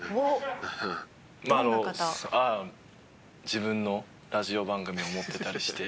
自分のラジオ番組を持ってたりして。